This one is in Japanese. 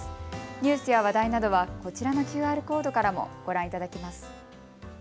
ニュースや話題などはこちらのＱＲコードからもご覧いただけます。